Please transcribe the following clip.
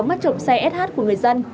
mất trộm xe sh của người dân